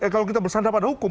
kalau kita bersandar pada hukum